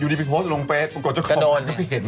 อยู่ดีไปโพสต์ลงเฟสกดเจ้าของก็ไปเห็น